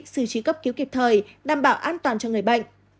xử trí cấp cứu kịp thời đảm bảo an toàn cho người bệnh